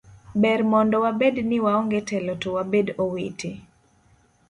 Ber mondo wabed ni waonge telo to wabed owete.